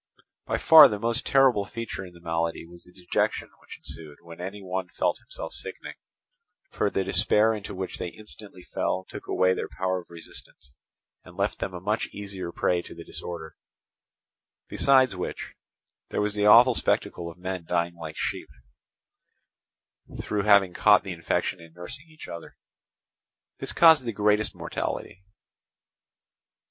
By far the most terrible feature in the malady was the dejection which ensued when any one felt himself sickening, for the despair into which they instantly fell took away their power of resistance, and left them a much easier prey to the disorder; besides which, there was the awful spectacle of men dying like sheep, through having caught the infection in nursing each other. This caused the greatest mortality.